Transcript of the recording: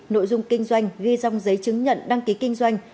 nội dung kinh doanh ghi rong giấy chứng nhận đăng ký kinh doanh